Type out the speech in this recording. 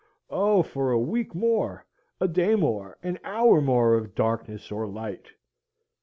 Oh, for a week more! a day more, an hour more of darkness or light!